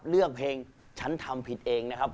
เลือกเพลงฉันทำผิดเองนะครับ